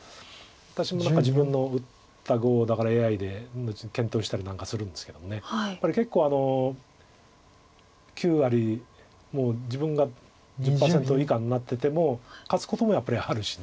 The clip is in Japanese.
私も何か自分の打った碁をだからＡＩで検討したりなんかするんですけどやっぱり結構９割もう自分が１０％以下になってても勝つこともやっぱりあるし。